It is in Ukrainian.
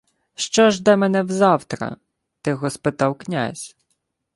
— Що жде мене взавтра? — тихо спитав князь.